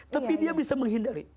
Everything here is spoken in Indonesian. tapi dia bisa menghindari